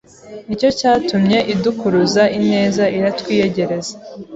nicyo cyatumye idukuruza ineza iratwiyegereza,